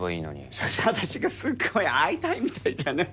それじゃあたしがすっごい会いたいみたいじゃない。